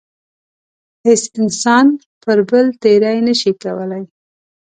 هیڅ انسان پر بل تېرۍ نشي کولای.